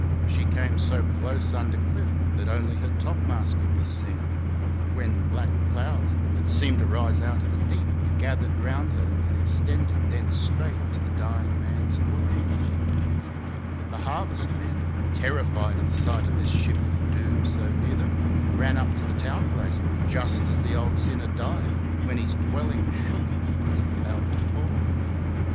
She came so close under cliff that only her topmast could be seen ; when black clouds — that seemed to rise out of the deep — gathered around her and extended thence straight to the dying man's dwelling. THE WEECKEE AND THE DEATH SHIP. 249 The harvest men, terrified at the sight of this ship of doom so near them, ran up to the town place, just as the old sinner died, when his dwelling shook as if about to fall.